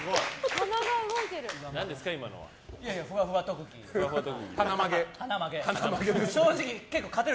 鼻が動いてる。